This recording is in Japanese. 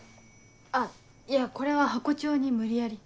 あっいやこれはハコ長に無理やり。